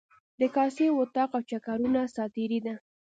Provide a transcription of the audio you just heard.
د کاسې، وطاق او چکرونو ساعتیري ده.